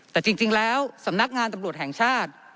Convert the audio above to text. แต่จริงแล้วสำนักงานตำรวจแห่งชาติ